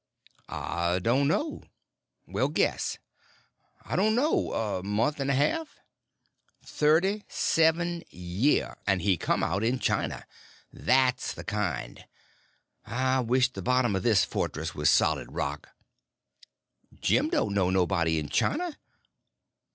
"I don't know." "Well, guess." "I don't know. A month and a half." "Thirty seven year—and he come out in China. That's the kind. I wish the bottom of this fortress was solid rock." "Jim don't know nobody in China."